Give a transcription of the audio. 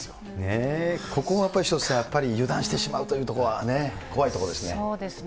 ここがやっぱり一つ、潮田さん、油断してしまうというところは怖いところですね。